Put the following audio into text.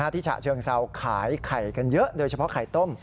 ฉะเชิงเซาขายไข่กันเยอะโดยเฉพาะไข่ต้ม